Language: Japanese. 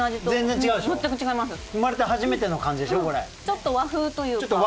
ちょっと和風というか。